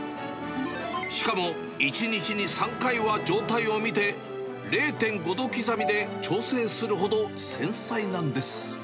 しかも１日に３回は状態を見て、０．５度刻みで調整するほど、繊細なんです。